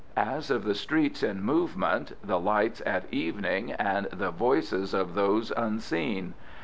As of the streets in movement, the lights at evening, and the voices of those unseen.